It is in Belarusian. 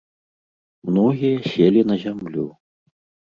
Многія селі на зямлю.